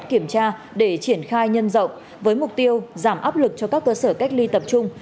kiểm tra để triển khai nhân rộng với mục tiêu giảm áp lực cho các cơ sở cách ly tập trung